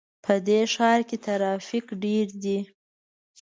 په دې ښار کې ترافیک ډېر ده